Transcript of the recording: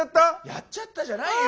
「やっちゃった」じゃないよ。